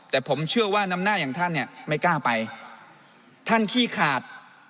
แต่ผมเชื่อว่าน้ำหน้าอย่างท่านเนี่ยไม่กล้าไปท่านขี้ขาด